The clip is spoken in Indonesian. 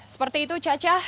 seperti itu caca